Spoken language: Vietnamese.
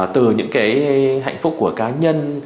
từ những cái hạnh phúc của cá nhân